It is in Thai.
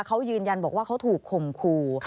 เขายืนยันบอกว่าเขาถูกข่มขู่